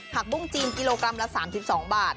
ผักบุ้งจีนกิโลกรัม๓๒บาท